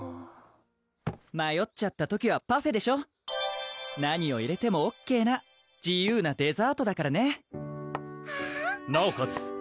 まよっちゃった時はパフェでしょ何を入れてもＯＫな自由なデザートだからねなおかつ